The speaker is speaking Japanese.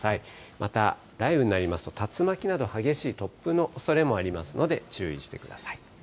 また、雷雨になりますと、竜巻など、激しい突風のおそれもありますので、注意してください。